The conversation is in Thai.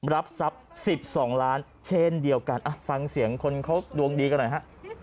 รับทรัพย์๑๒ล้านเช่นเดียวกันฟังเสียงคนเขาดวงดีกันหน่อยฮะ